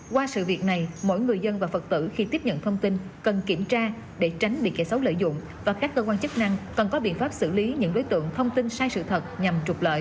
qua sự việc này mỗi người dân và phật tử khi tiếp nhận thông tin cần kiểm tra để tránh bị kẻ xấu lợi dụng và các cơ quan chức năng cần có biện pháp xử lý những đối tượng thông tin sai sự thật nhằm trục lợi